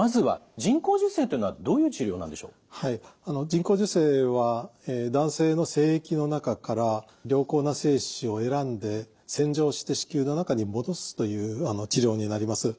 人工授精は男性の精液の中から良好な精子を選んで洗浄して子宮の中に戻すという治療になります。